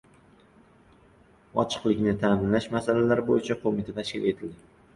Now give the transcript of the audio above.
Ochiqlikni ta’minlash masalalari bo‘yicha qo‘mita tashkil etildi